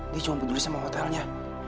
dia cuma penulis sama hotelnya